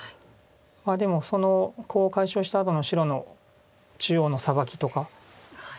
でもそのコウを解消したあとの白の中央のサバキとかもう的確でした。